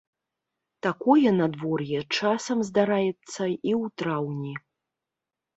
Такое надвор'е часам здараецца і ў траўні.